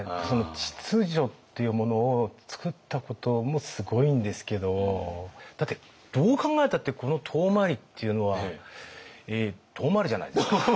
秩序っていうものを作ったこともすごいんですけどだってどう考えたってこの遠回りっていうのは遠回りじゃないですか。